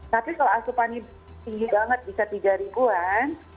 tapi kalau asupannya tinggi banget bisa tiga ribu an